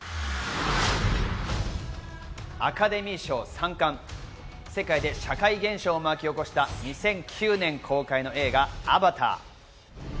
アカデミー賞３冠、世界で社会現象を巻き起こした２００９年公開の映画『アバター』。